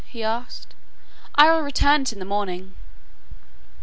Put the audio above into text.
he asked. "I will return it in the morning."